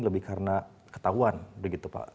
lebih karena ketahuan begitu